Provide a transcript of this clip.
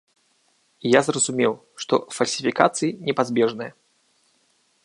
І я зразумеў, што фальсіфікацыі непазбежныя.